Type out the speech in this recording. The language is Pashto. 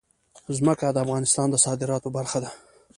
ځمکه د افغانستان د صادراتو برخه ده.